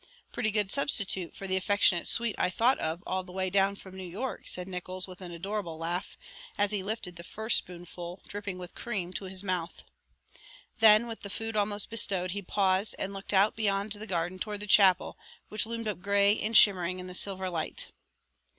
"Pretty good substitute for the affectionate sweet I thought of all the way down from New York," said Nickols with an adorable laugh, as he lifted the first spoonful, dripping with cream, to his mouth. Then with the food almost bestowed he paused and looked out beyond the garden toward the chapel, which loomed up gray and shimmering in the silver light.